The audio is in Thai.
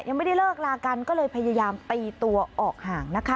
ยังไม่ได้เลิกลากันก็เลยพยายามตีตัวออกห่างนะคะ